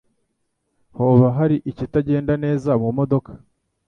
Hoba hari ikitagenda neza mumodoka?